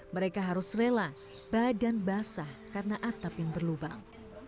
mereka harus rela badan basah karena atap yang berlubang